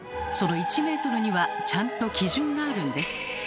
その１ｍにはちゃんと基準があるんです。